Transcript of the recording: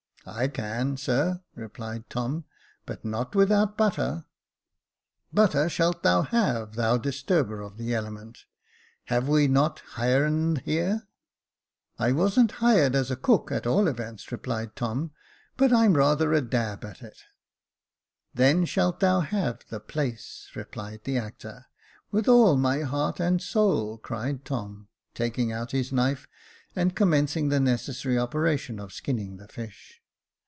I can, sir," replied Tom ;" but not without butter." "Butter shalt thou have, thou disturber of the element. Have we not Hiren here ?" 270 Jacob Faithful "I wasn't hired as a cook, at all events," replied Tom; '' but I'm rather a dab at it," " Then shalt thou have the place, ^^ replied the actor. "With all my heart and soul," cried Tom, taking out his knife, and commencing the necessary operation of skinning the fish.